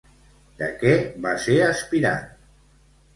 De què va ser aspirant?